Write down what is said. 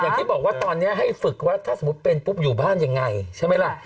อย่างที่บอกว่าตอนนี้ให้ฝึกว่าถ้าสมมุติเป็นปุ๊บอยู่บ้านยังไงใช่ไหมล่ะ